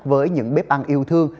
với những bếp ăn yêu thương